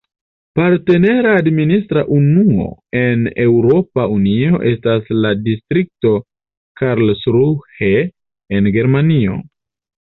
Partnera administra unuo en Eŭropa Unio estas la distrikto Karlsruhe en Germanio.